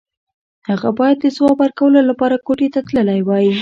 هغه بايد د ځواب ورکولو لپاره کوټې ته تللی وای.